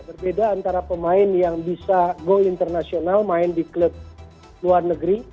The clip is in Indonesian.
berbeda antara pemain yang bisa go internasional main di klub luar negeri